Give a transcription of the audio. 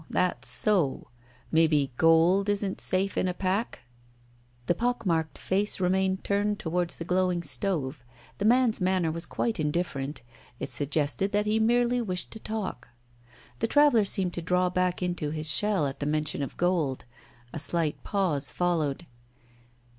That's so. Maybe gold isn't safe in a pack?" The pock marked face remained turned towards the glowing stove. The man's manner was quite indifferent. It suggested that he merely wished to talk. The traveller seemed to draw back into his shell at the mention of gold. A slight pause followed.